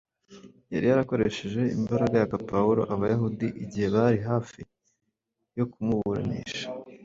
yari yarakoresheje imbaraga yaka Pawulo Abayahudi igihe bari hafi yo kumuburanisha